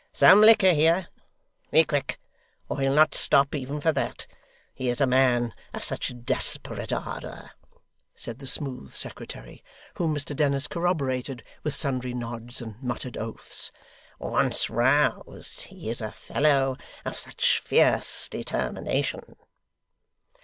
'Some liquor here! Be quick, or he'll not stop, even for that. He is a man of such desperate ardour!' said the smooth secretary, whom Mr Dennis corroborated with sundry nods and muttered oaths 'Once roused, he is a fellow of such fierce determination!